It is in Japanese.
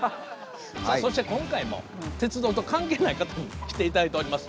そして今回も鉄道と関係ない方に来て頂いております。